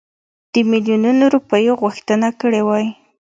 د میلیونونو روپیو غوښتنه کړې وای.